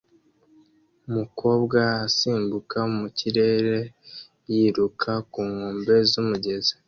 Umukobwa asimbuka mu kirere yiruka ku nkombe z'umugezi